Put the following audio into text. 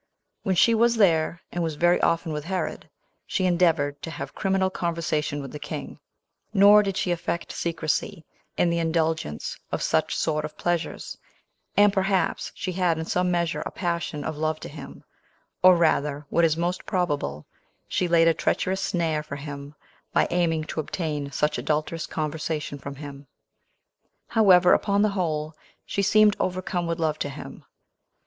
When she was there, and was very often with Herod, she endeavored to have criminal conversation with the king; nor did she affect secrecy in the indulgence of such sort of pleasures; and perhaps she had in some measure a passion of love to him; or rather, what is most probable, she laid a treacherous snare for him, by aiming to obtain such adulterous conversation from him: however, upon the whole, she seemed overcome with love to him.